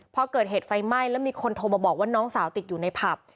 พอเกิดเหตุไฟไหม้แล้วมีคนโทรมาบอกว่าน้องสาวติดอยู่ในผับ